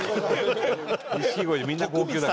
錦鯉でみんな号泣だから。